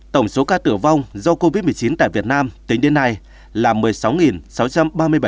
tổng số ca tử vong do covid một mươi chín tại việt nam tính đến nay là một mươi sáu sáu trăm ba mươi ba ca